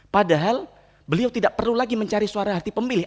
padahal beliau tidak perlu lagi mencari suara hati pemilih